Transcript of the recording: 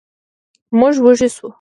موږ وږي شوو.